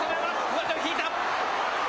上手を引いた。